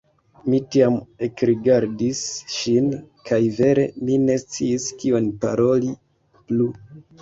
Mi tiam ekrigardis ŝin kaj vere mi ne sciis, kion paroli plu.